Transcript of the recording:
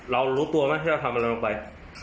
เรารู้ตัวไหมที่ทำอะไรลงไป